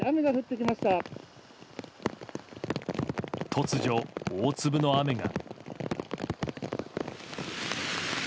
突如、大粒の雨が。